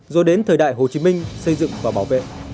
rồi đến thời đại hồ chí minh xây dựng và bảo vệ